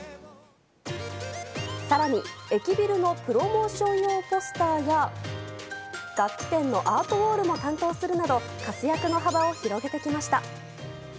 更に、駅ビルのプロモーション用ポスターや楽器店のアートウォールも担当するなど活躍の幅を広げてきました。